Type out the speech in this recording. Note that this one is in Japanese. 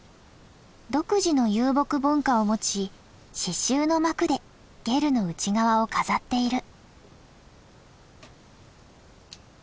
独自の遊牧文化を持ち刺しゅうの幕でゲルの内側を飾っている。